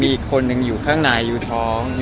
อีกคนนึงอยู่ข้างในอยู่ท้อง